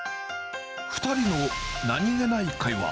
２人の何気ない会話。